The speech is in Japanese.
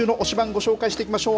ご紹介していきましょう。